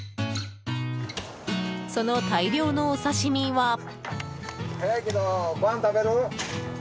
その大量のお刺し身は。